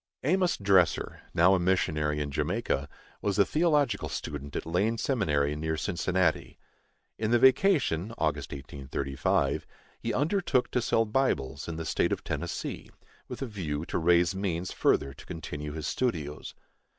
Amos Dresser, now a missionary in Jamaica, was a theological student at Lane Seminary, near Cincinnati. In the vacation (August 1835) he undertook to sell Bibles in the State of Tennessee, with a view to raise means further to continue his studios.